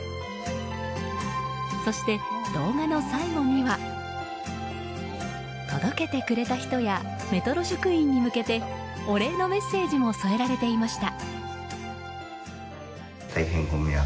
そして、動画の最後には届けてくれた人やメトロ職員に向けてお礼のメッセージも添えられていました。